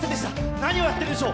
なにをやっているんでしょう？